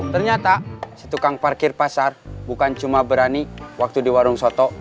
ternyata si tukang parkir pasar bukan cuma berani waktu di warung soto